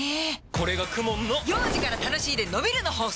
これがＫＵＭＯＮの幼児から楽しいでのびるの法則！